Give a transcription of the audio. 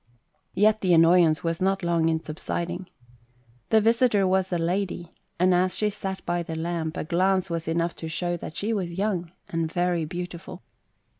Yet the annoy ance "was not long in subsiding. The visitor was a lady, and as she sat by the lamp, a glance was enough to shew that she was young, and very beautiful.